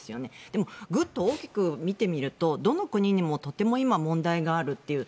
でもぐっと大きく見てみるとどの国にもとても今問題があるという。